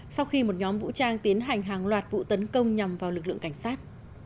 sau khi một nhóm vũ trang tiến hành hàng loạt vụ tấn công nhằm vào lực lượng cảnh sát